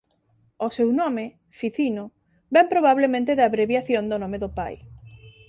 O seu nome «Ficino» vén probablemente da abreviación do nome do pai.